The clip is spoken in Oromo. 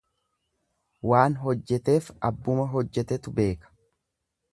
Waan hojjeteef abbuma hojjetetu beeka.